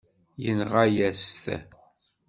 Yenɣa-yas-t.